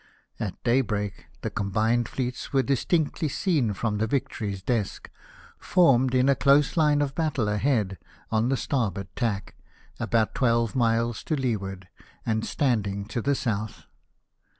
At daybreak the combined fleets were distinctly seen from the Vic tory s deck, formed in a close line of battle ahead on the starboard tack, about twelve miles to leeward, and standing to the south.